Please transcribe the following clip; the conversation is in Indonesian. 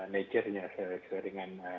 nature nya sesuai dengan